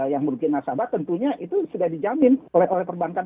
yang merugikan nasabah tentunya itu sudah dijamin oleh perbankan